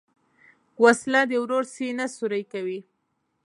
وسله د ورور سینه سوری کوي